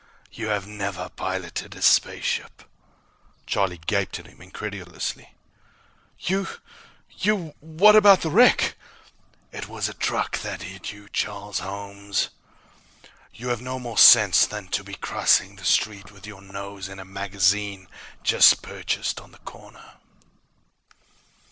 You have never piloted a spaceship." Charlie gaped at him incredulously. "You ... you ... what about the wreck?" "It was a truck that hit you, Charles Holmes. You have no more sense than to be crossing the street with your nose in a magazine just purchased on the corner."